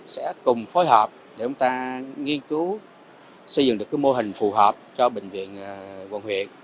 sẽ cùng phối hợp để chúng ta nghiên cứu xây dựng được mô hình phù hợp cho bệnh viện quận huyện